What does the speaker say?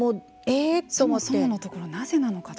そもそものところなぜなのかと。